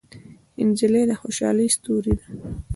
نجلۍ د خوشحالۍ ستورې ده.